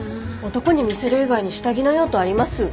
男に見せる以外に下着の用途あります？